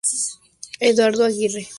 Eduardo Aguirre Jr.